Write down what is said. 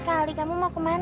kalau yang lain